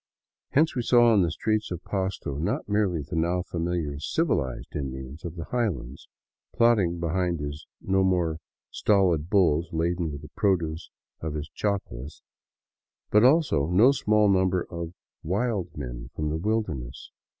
Hence we saw in the streets of Pasto not merely the now familiar " civilized " Indian of the highlands, plodding behind his no more stolid bulls laden with the produce of his chacras, but also no small number of " wild men " from the wilderness.